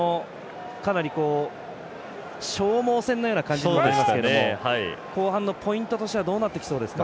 かなり消耗戦のような感じがしますけども後半のポイントとしてはどうなってきそうですか？